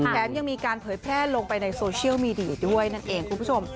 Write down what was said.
แถมยังมีการเผยแพร่ลงไปในโซเชียลมีเดียด้วยนั่นเองคุณผู้ชม